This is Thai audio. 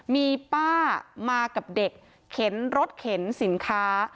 มีป้ามากับเด็กเข็นรถเข็นสินค้า